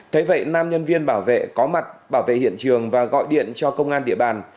thế vậy nam nhân viên bảo vệ có mặt bảo vệ hiện trường và gọi điện cho công an địa bàn